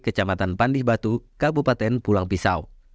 kecamatan pandih batu kabupaten pulang pisau